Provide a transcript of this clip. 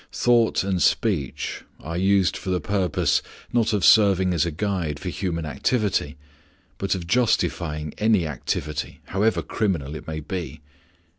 Thought and speech are used for the purpose, not of serving as a guide for human activity, but of justifying any activity, however criminal it may be.